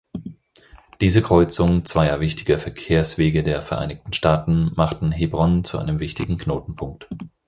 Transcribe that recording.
Diese Kreuzung zweier wichtiger Verkehrswege der Vereinigten Staaten machten Hebron zu einem wichtigen Knotenpunkt.